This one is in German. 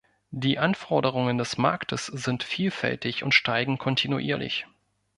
Die Anforderungen des Marktes sind vielfältig und steigen kontinuierlich.